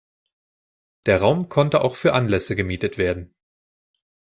Der Raum konnte auch für Anlässe gemietet werden.